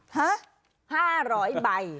หอห่าร้อยใบ